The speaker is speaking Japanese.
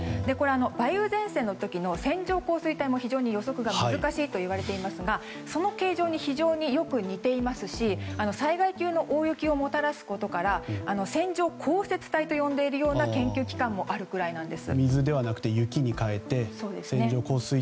梅雨前線の時の線状降水帯も非常に予測が難しいといわれていますが、その形状に非常によく似ていますし災害級の大雪をもたらすことから線状降雪帯と呼んでいる研究機関もあるぐらいなんです。